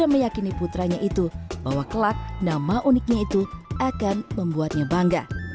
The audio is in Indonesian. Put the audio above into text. ia meyakini putranya itu bahwa kelak nama uniknya itu akan membuatnya bangga